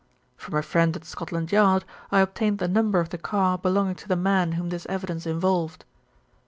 "From a friend at Scotland Yard I obtained the number of the car belonging to the man whom this evidence involved.